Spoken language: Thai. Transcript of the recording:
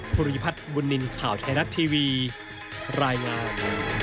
ภูริพัฒน์บุญนินทร์ข่าวไทยรัฐทีวีรายงาน